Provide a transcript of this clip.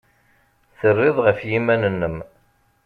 Terrid ɣef yiman-nnem.